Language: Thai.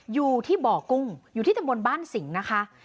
อยู่ที่บ่อกุ้งอยู่ที่ตำบลบ้านสิงห์นะคะ